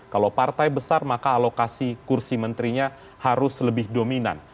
kalau partai besar maka alokasi kursi menterinya harus lebih dominan